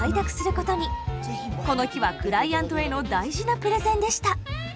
この日はクライアントへの大事なプレゼンでした。